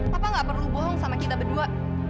papa gak perlu bohong sama kita berdua